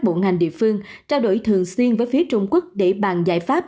bộ ngành địa phương trao đổi thường xuyên với phía trung quốc để bàn giải pháp